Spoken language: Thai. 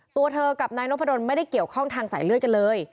ตัวเธอกับนายนพดลไม่ได้เกี่ยวข้องทางสายเลือดกันเลย